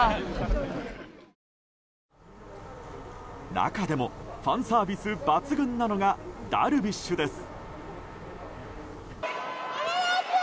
中でもファンサービス抜群なのがダルビッシュです。